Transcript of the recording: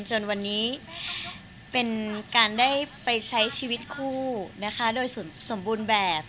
จนวันนี้เป็นการได้ไปใช้ชีวิตคู่นะคะโดยสมบูรณ์แบบ